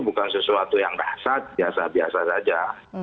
bukan sesuatu yang kahsat biasa biasa saja